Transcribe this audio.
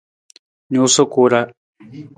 Nuusa ku ra.